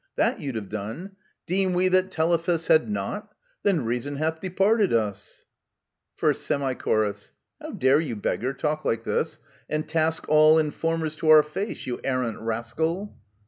That you'd have done ;" Deem we that Telephus Had not ? then reason hath departed us !" ist Semi Chor. How dare you, beggar, talk like this, and task all Informers to our face, you arrant rascal